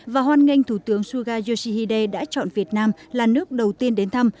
và hoan nghênh thủ tướng suga yoshihide đã chọn việt nam là nước đầu tiên đến thăm